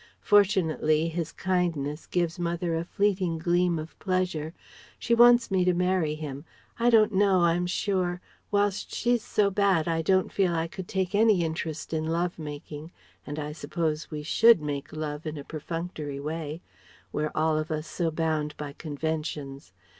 Fortunately his kindness gives mother a fleeting gleam of pleasure. She wants me to marry him I don't know, I'm sure.... Whilst she's so bad I don't feel I could take any interest in love making and I suppose we should make love in a perfunctory way We're all of us so bound by conventions.